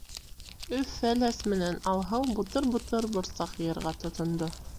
Өф-Фәләс менән Алһыу бутыр-бутыр борсаҡ йыйырға тотондо.